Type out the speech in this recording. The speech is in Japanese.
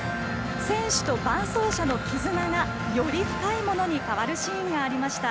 選手と伴走者の絆がより深いものに変わるシーンがありました。